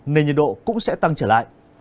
nên nhiệt độ cũng sẽ tăng trở lại